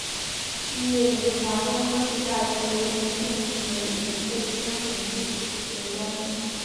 毕业于华中科技大学流行病学与卫生统计学专业。